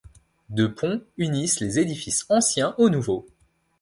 Deux ponts unissent les édifices anciens aux nouveaux.